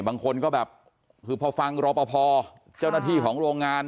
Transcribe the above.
บางคนก็แบบคือพอฟังรอปภเจ้าหน้าที่ของโรงงาน